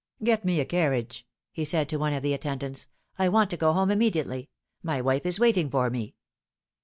" Get me a carriage," he said to one of the attendants ;" I want to go home immediately. My wife is waiting for me."